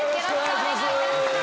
お願いいたします。